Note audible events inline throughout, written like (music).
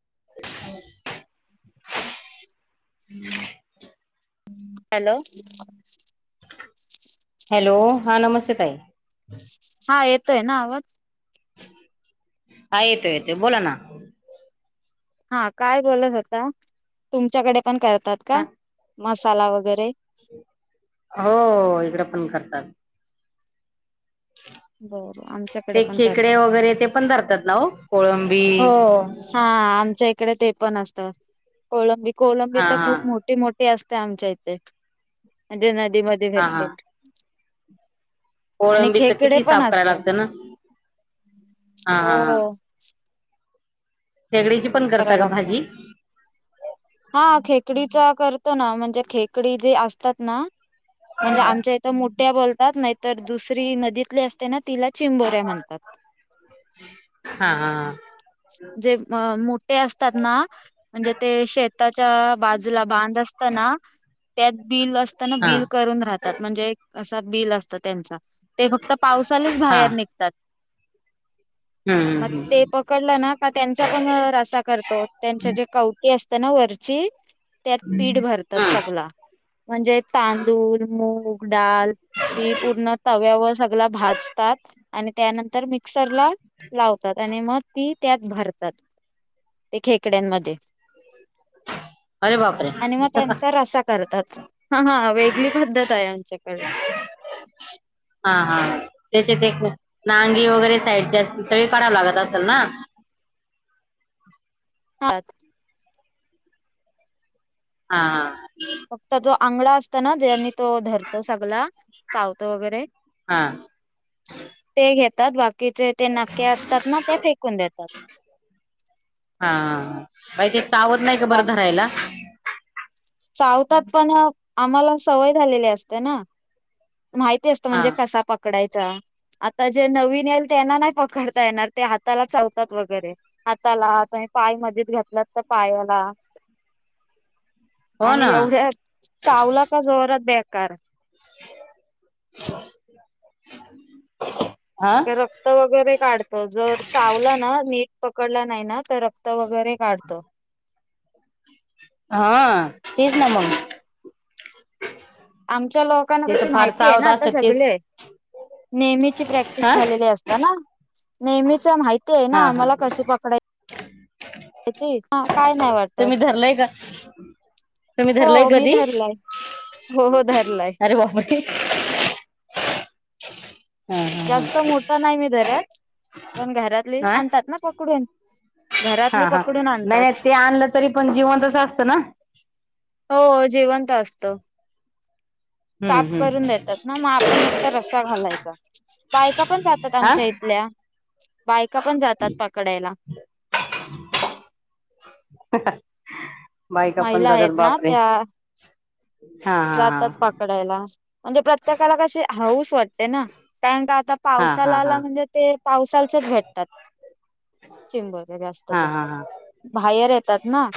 अ् (unintelligible) hello. Hello हा नमस्ते ताई हा येतोय ना आवाज. हा येते येते बोला ना. हा काय बोलत होता, तुमच्याकडे पण करतात हा का मसाला वगैरे. हो इकडें पण करतात. बरं ते आमच्याकडे पण खेकडे करतात वगैरे ते पण धरतात ना हो पोळम हो हा आमच्या इकडे ते पण असत कोलंबीत. कोलंबी हा तर खूप हा मोठी मोठी असते आमच्या इथे म्हणजे न दी मधे हा हा भेटतील. आणि कोळंबीच खेकडे किती पण साफ करायला असतात. लागतं ना हा हो. हा खेकडीची पण कराय करता का लागतात भाजी. हा खेकडीचा करतो ना म्हणजे खेकडी जे असतात ना म्हणजे आमच्या इथं मोठ्या बोलतात नाहीतर दुसरी नदीतली असते ना तिला चिंबोऱ्या म्हणतात. हा हा जे मो मोठे असतात ना म्हणजे ते शेताच्या बाजूला बांध असतांना त्यात बिळ असताना हा बिळ करून राहतात म्हणजे असा बिळ असत त्यांचा ते फक्त पावसालीच हा बाहेर निघतात. हम्म मग हम्म हम्म ते पकडलं ना का त्यांचा पण रसा करतो त्यांच्या जे कवटी असतं ना वरची त्यात पीठ भरतात हम्म सगला म्हणजे तांदूळ मूग डाल हि पूर्ण तव्यावर सगळ भाजतात आणि त्यानंतर मिक्सरला लावतात आणि मग ती त्यात भरतात ते खेकड्यांमध्ये अरे बापरे आणि मग त्यांचा रसा करतात ह हा वेगळी पद्धत आहे आमच्याकडे. हा हा त्याचे एक नांगी वगैरे साईडचे असतील सगळे कराव लागत असेल ना (inaudible) हात हा हा फक्त जो आंगडा असत ना. जनी तो धरतो सगला चावतो वगैरे. हा. (inaudible) बाकीचे ते नके असतात ना ते फेकून देतात. हा. बा ते चावत नाही का बा बरं धरायला. चावतात पण आम्हाला सवय झालेली असते ना. माहिती असतं हा म्हणजे कसा पकडायचा. आता जे नवीन येईल त्यांना नाही पकडता येणार ते हाताला चालतात वगैरे हाताला ह. पाय मधेच घातलात तर पायाला. (inaudible) आणि ना एवढ्या चावला का जोरात बेकार. (inaudible) रक्त वगैरे काढतो. जर चावला ना नीट पकडला नाही ना तर रक्त वगर. वगैरे काढतो. हा तेच ना मग. (inaudible) तुमच्या लोकांना ते कशी तर फार माहिती आहे चावत ना. आता असत तेच सगळे. नेहमीची प्रॅक्टिस हा झालेली असत ना. नेहमीच माहिती आहे ना. हा हा आम्हाला कशी पकडा. त्याची काय नाही वाटतत. हम. तूम्ही धरलंय कधी. धरलाय हो हो धरलाय अरे बापरे! हा हा जास्त मोठं नाही मी धरतं. पण घरातली हा आणतात हा ना पकडून. हा. घरातली हा. पकडून नाही नाही आणतात ते आणलं तरी पण जिवंतच असतं ना. हो जीवनत असत. हम्म साफ करून हम्म देतात ना मग आपण फक्त रस्सा घालायचा. ब (inaudible) बायका पण जातात हा आमच्या इथल्या बायका पण जातात पकडायला. (inaudible) बायका पण महिला जातात आहेत ना बापरे त्या. हा जातात हा पकडायला म्हणजे प्रत्येकाला कशी. हाऊसं वाटते ना. कारण का आता हा पावसाला हा आला हा हा म्हणजे ते पावसालचच भेटतात. चिंब वैगेरे असत हा तर. हा हा बाहेर येतात ना.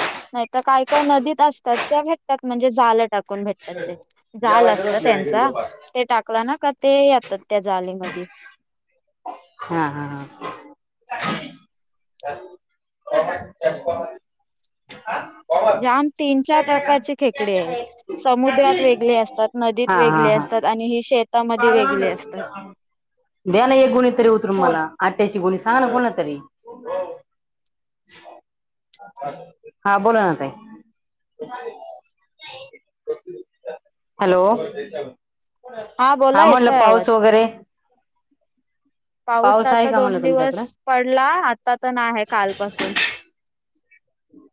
तर काय काय नदीत असतात. त्या भेटतात म्हणजे जालं टाकत. भेटतात ते झाल असत. जेवायचं त्यांचा हा ते टाकलं ना का. ते येतात त्या जाले मध्ये. हा. हा. हा. (inaudible) जाम तीन. ज्या प्रकारचे खेकडे आहेत. समुद्रात वेगळे असतात नदीत वेगळे असतात आणि ही शे. दयाना हे कोणी तरी उतरुनं मला. आट्याची गोणी सांग ना कोणाला तरी. (inaudible) हा बोला ना ताई. (inaudible) (inaudible) हॅलो. हा बोला म्हटलं येतोय आवाज पाऊस वगैरे. पाऊस तर आहे आता का दोन म्हणलं दिवस तुमच्याकडे पडला आता तर नायहे आहे कालपासून.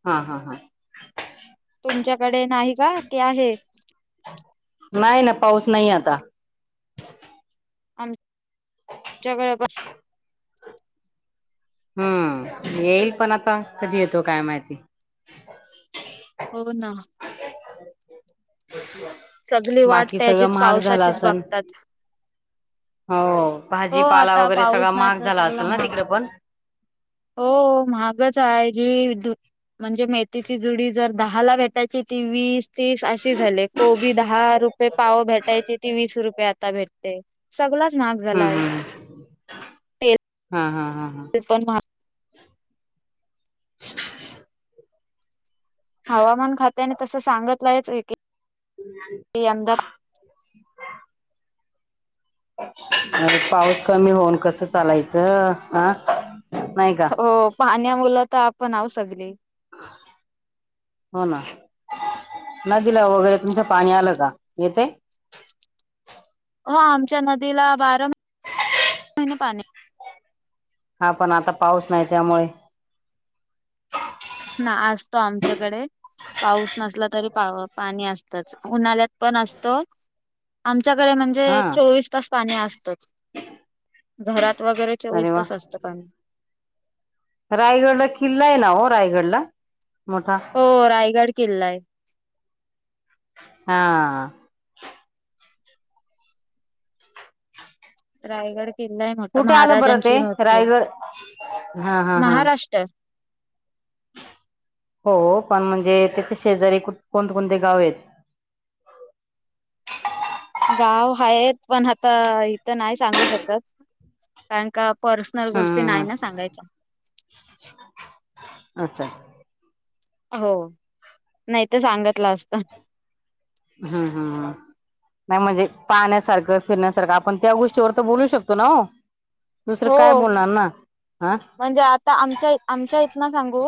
हा, हा, हा. (inaudible) तुमच्याकडे? नाही का की आहे (inaudible) नाही ना, पाऊस नाही आ ता. आमच्या (inaudible) गळ बस. येईल पण आता कधी येतो काय माहिती? हो ना सगळी वाट बाकी सगळं त्याचीच महाग झाला पावसाचीच सण बघतात हो हो भाजीपाला आता वगैरे सगळा पाऊस नाही महाग तर झाला सगळा असेल ना महाग तिकड पण. हो महागच आहे जी विद्युत म्हणजे मेथीची जुडी जर दहाला भेटायची ती वीस, तीस अशी झाली. दहा रुपये पाव भेटायची ती वीस रुपये आता भेटते. सगलच महाग झाला हम्म आहे हम्म (inaudible) पे हा हा हा ते पण महाग. (inaudible) (inaudible) हवामान खात्याने तसं सांगितलंयच की (inaudible) कीअहमदाबाद अर पाऊस कमी होऊन कसं चालायचं ह. हो पाण्यामुलं तर आपण आहोत सगली. हो ना. नदीला वगैरे तुमचं पाणी आलं का? येतय? हो आमच्या नदीला बारा म (inaudible) हिने पाणी. हा पण आता पाऊस नाही त्यामुळे (inaudible) ना असतो आमच्याकडे. पाऊस नसला तरी पा पाणी असतच उन्हाळ्यात पण असतो (inaudible) आम च्याकडे म्हणजे हा चोवीस तास पाणी असतच (inaudible) घरात चा वगैरे अरे चोवीस वा तास असतं पाणी. रायगडला किल्ला आहे ना हो रायगडला मोठा? हो रायगड किल्ला आहे. (inaudible) हा. (inaudible) रायगड किल्ला आहे मोठा कुठे आलं बरं ते महाराजांची मूर्ती आहे. रायगड हा (inaudible) हा हा महाराष्ट्र हो पण म्हणजे त्याचे शेजारी कोणते-कोणते गाव आहेत? (inaudible) गाव आहेत पण आता इथं नाही सांगू शकत (inaudible) कारण का पर्सनल गोष्टी हम्म नाही ना हम्म सांगायच्या. अच्छा, अच्छा. हो नाही तर सांगतलं असत. (inaudible) हम्म, हम्, हम. नाही म्हणजे पाहण्यासारखं फिरण्यासारखं आपण त्या गोष्टीवर तर बोलू शकतो ना ओ. दुसरं काय हो. बोलणार ना. हा म्हणजे, आता आमच्या, आमच्या इथन सांगू?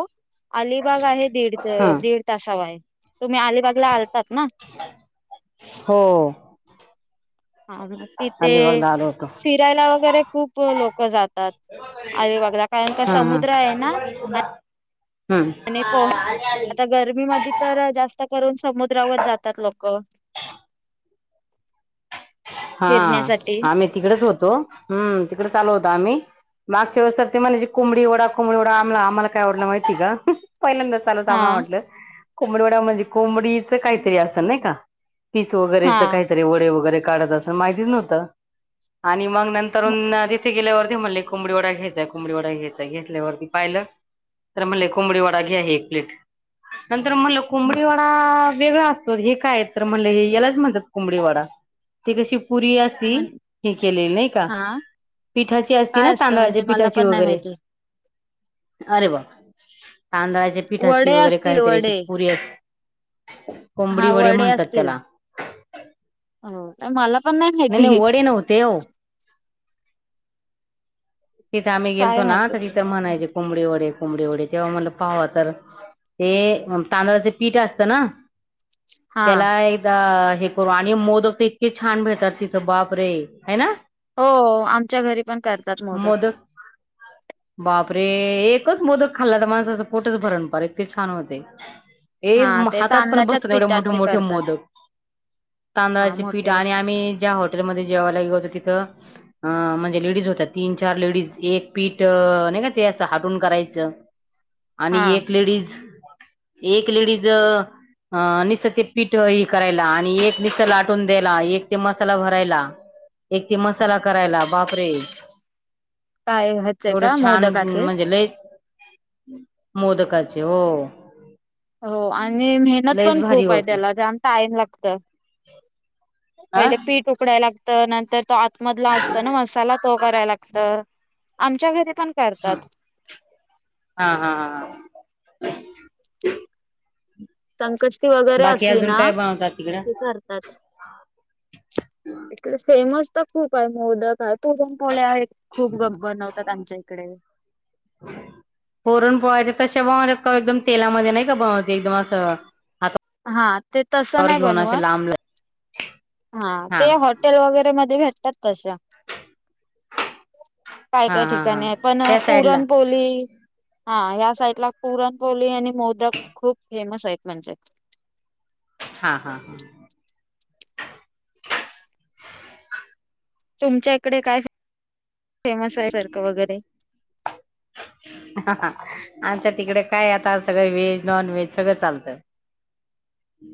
अलिबाग आहे दीड, ह दीड तासाव आहे. तुम्ही अलिबागला आलतात ना? (inaudible) हो (inaudible) तिथे अलिबागला आलो होतो फिरायला वगैरे खूप लोक जाता त. अलिबागला कारण का हा समुद्र आहे ना (unintelligible) ह. आणि पोह (unintelligible) आता गर्मीमध्ये तर जास्त करून समुद्रावर जातात लोक हा फिरण्यासाठी आम्ही तिकडच होतो हम्म तिकडे चाललो होतो आम्ही मागच्या वरसात ते म्हणायची, कोंबडी वढा कोंबडीवडा आम्हाला काय वाटल माहिती ए का? पहिल्यांदा चालत हा आमा म्हटलं कोंबडी वडा म्हणजे कोंबडीचं काहीतरी असल नाही का? पीस हा वगैरेच काहीतरी वडे वगैरे काढत असं, माहितीच नव्हतं आणि मग मग नंतरून तिथे गेल्यावरती म्हणले कोंबडी वडा घ्यायचाय कोंबडी वडा, घ्यायचाय घेतल्यावरती पाहिलं. तर म्हणले कोंबडी वडा घ्या एक प्लेट नंतर तर म्हटलं मग कोबडीवडा वेगळा असतो, हे काय तर म्हलं हे यालाच म्हणतात कोंबडीवडा ती कशी पुरी असती म्हण हे केलेली नाही का? हा पिठाची असती काय ना असतं तांदळाची म्हणजे मला पिठाची पण नाही वगैरे माहिती अरे बाबा! तांदळाच्या पिठाची वडे वगैरे असतील काहीतरी अशी वडे पुरी असते. हा कोंबडी वडे म्हणतात असतील त्याला हो मला पण नाही माहिती. वडे नव्हते हो तिथे आम्ही गेलतो काय ना! तिथ माहिती म्हणायचे कोंबडी वडे कोंबडीढ तेव्हा म्ह पावा तर ते तांदळाचे पीठ असत ना हां. तेला एक हे करू आणि मोदक, तर इतके छान भेटतात तिथं बाप रे हाय ना. हो आमच्या घरी पण करते. मोदक बाप प्रे एकच मोदक खाल्ला ना, तर माणसाचं पोटच भरण पार इतके छान होते. हे हां, ते हातात पण तांदळाच्याच बसत नाही, एवढे मोठे पिठाचे मोठे करतात. मोदक हां, तांदळाचे पीठ मोठे आणि असतात. आम्ही ज्या हॉटेलमध्ये जेवायला गेलो तिथं. अ म्हणजे लेडीज होत्यात. तीन चार लेडीज एक पीठ नाही का ते असं हाटून करायचं आणि हां, एक लेडीज, एक लेडीज अ अ निसत ते पीठ हे करायला आणि एक निसत लाटून द्यायला, एक ते मसाला भरायला एक ते मसाला करायला बापरे! काय ह्याचे एवढं का छान मोदकाचे? म्हणजे लय मोदकाचे हो. हो आणि मेहनत लईच पण भारी खूप हाय होते त्याला जाम टाईम लागत. आ पहिले पीठ उकडायला लागत नंतर तो आत मधला असत ना मसाला तो कराय लागत, आमच्या घरी पण हा करतात. हा हा हा. संकष्टी वगैरे बाकी असली अजून ना काय बनवतात तिकडं की करतात? इकड फेमस तर खूप आहे मोदकात पुरण पोळ्या एक खूप जण बनवतात. आमच्या इकडे ह पुरण पोळ्या त्या तशा बनवतात, का एकदम तेलामध्ये नाही का बनवत एकदम असं! हातात हां, ते तसं हातावर नाही घेऊन असे बनवत. लांब लचक हा ते हॉटेल वगैरे मध्ये भेटतात तशा (inaudible) काय हा काय हा हा ठिकाणी आहे पण त्या साईडला पुरणपोली? हा ह्या साइटला पुरणपोली आणि मोदक खूप फेमस आहेत म्हणजे हा हा हा. तुमच्या इकडे काय? फेमस आहे सारख वगैरे हा आमच्या तिकडे काय? आता सगळं व्हेज नॉन व्हेज सगळं चालतं.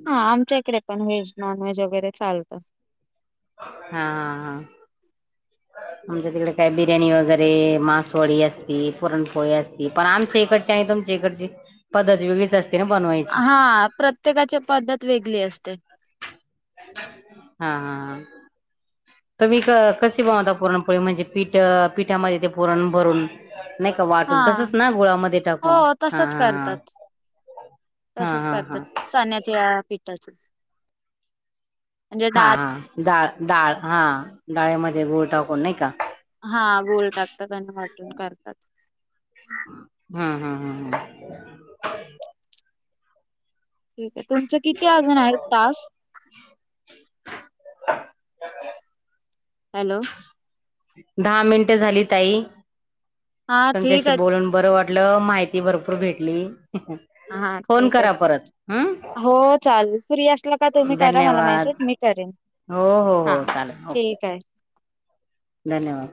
हा आमच्या इकडे पण व्हेज नॉन व्हेज वगैरे चालतं. हा हा. आमच्या तिकडे काय बिर्याणी वगैरे मासवाडी असती, पुरणपोळी असती पण आमच्या इकडच्या हाय तुम्ही तुमच्या हिकडची पद्धत वेगळीच असती. हा प्रत्येकाची पद्धत वेगली असते. हा, हा, हा. तुम्ही क कसे बनवता पुरणपोळी म्हणजे पीठ पीठामध्ये ते पुरण भरून नाही का हा वाटून तसच ना गुळामध्ये टाकून? हा, हा, हा. कसच हा करतात हा चाण्याच्या या पिठाच हा हा डाळ डाळ हा डाळ्यामध्ये गोळ टाकून नाही का हा गोलोल टाकतात वाजून करतात हम्म हम्म हम्म हम्म ठीक आहे तुमचं किती अजून आहे तास हॅलो दहा मिनट झाली ताई हा ठीक तमच्याशी आहे बोलून बर वाट म्हंटल माहिती भरपूर भेटली हा फोन ठीक आहे करा परत हं. हो चालेल फ्री असला का तुम्ही करा मला धन्यवाद मेसेज मी करेन. हो हो हा हो चालेल ओके ठीक आहे. धन्यवाद.